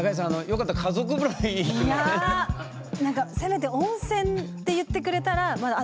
いやなんかせめて「温泉」って言ってくれたらまだあっ